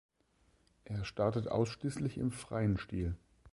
Er startet ausschließlich im freien Stil.